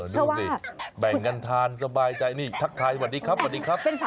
อ้อดูสิแบ่งกันทานสบายใจนี่ทักทายวันนี้ครับเป็นสาธารณ์แสดกัน